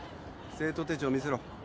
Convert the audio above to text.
生徒手帳見せろ。